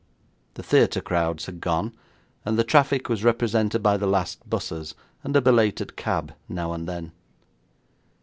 The theatre crowds had gone, and the traffic was represented by the last 'buses, and a belated cab now and then.